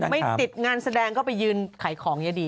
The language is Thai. ไม่ติดงานแสดงก็ไปยืนขายของยายดี